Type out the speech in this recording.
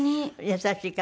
優しい方。